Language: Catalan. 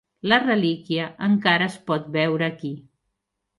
La relíquia encara es pot veure aquí.